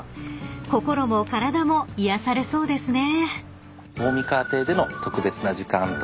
［心も体も癒やされそうですね］